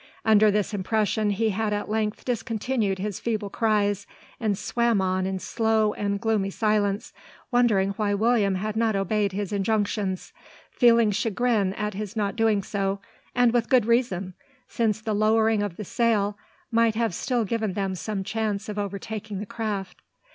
Under this impression he had at length discontinued his feeble cries, and swam on in slow and gloomy silence, wondering why William had not obeyed his injunctions, feeling chagrin at his not doing so, and with good reason, since the lowering of the sail might have still given them some chance of overtaking the craft.